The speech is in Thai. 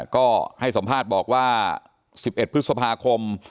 ก็ให้สัมภาษณ์บอกว่า๑๑พฤษภาคม